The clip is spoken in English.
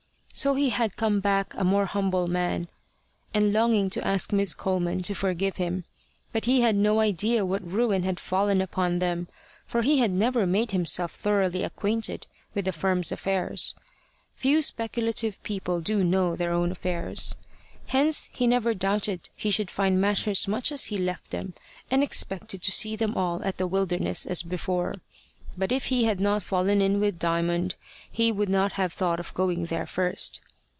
So he had come back a more humble man, and longing to ask Miss Coleman to forgive him. But he had no idea what ruin had fallen upon them, for he had never made himself thoroughly acquainted with the firm's affairs. Few speculative people do know their own affairs. Hence he never doubted he should find matters much as he left them, and expected to see them all at The Wilderness as before. But if he had not fallen in with Diamond, he would not have thought of going there first.